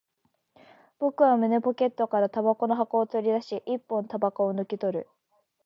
僕は胸ポケットから煙草の箱を取り出し、一本煙草を抜き取る